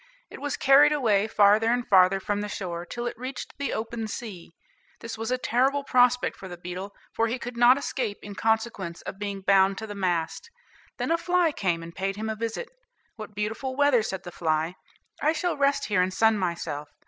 It was carried away farther and farther from the shore, till it reached the open sea. This was a terrible prospect for the beetle, for he could not escape in consequence of being bound to the mast. Then a fly came and paid him a visit. "What beautiful weather," said the fly; "I shall rest here and sun myself.